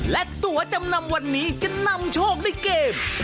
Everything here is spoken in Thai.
และตัวจำนำวันนี้จะนำโชคด้วยเกม